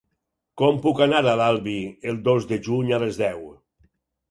Com puc anar a l'Albi el dos de juny a les deu?